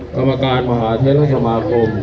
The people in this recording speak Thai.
กรรมการมหาเทศสมาคม